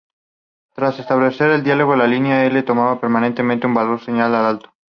Tras establecerse el diálogo, la línea L toma permanentemente un valor de señal alto.